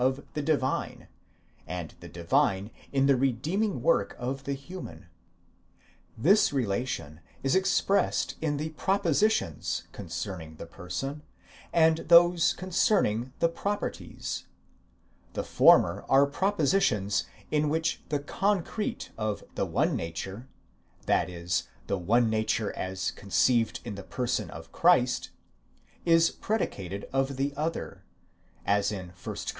of the divine, and the divine in the redeeming work of the human. This re lation is expressed in the propositions concerning the person, propositionibus personalibus, and those concerning the properties, idiomaticis ; the former are propositions in which the concrete of the one nature, 1.6. the one nature as conceived in the person of Christ, is predicated of the other, as in 1 Cor.